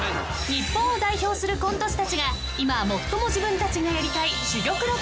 ［日本を代表するコント師たちが今最も自分たちがやりたい］